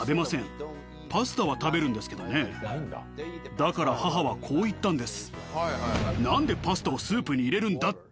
だから母はこう言ったんです。